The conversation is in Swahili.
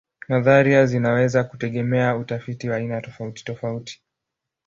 Nadharia zinaweza kutegemea utafiti wa aina tofautitofauti.